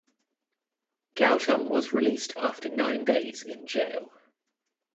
Gautam was released after nine days in jail.